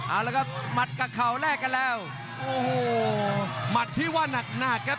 อ้าวแล้วก็มัดกับเข่าแลกกันแล้วโอ้โหมัดที่ว่านักนักครับ